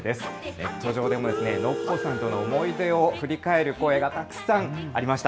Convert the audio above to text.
ネット上でもノッポさんとの思い出を振り返る声がたくさんありました。